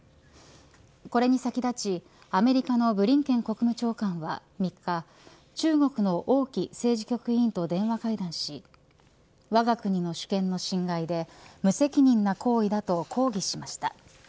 これに先立ちアメリカのブリンケン国務長官は３日、中国の王毅政治局委員と電話会談しわが国の主権の侵害で無責任な行為だと抗議しました。